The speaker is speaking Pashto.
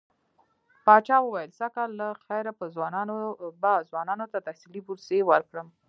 پاچا وويل سږ کال له خيره به ځوانانو ته تحصيلي بورسيې ورکړم.